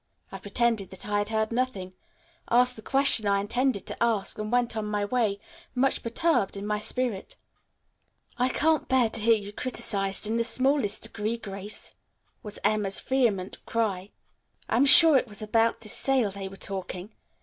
I pretended that I had heard nothing, asked the question I intended to ask, and went on my way, much perturbed in spirit. I can't bear to hear you criticized in the smallest degree, Grace," was Emma's vehement cry. "I am sure it was about this sale they were talking.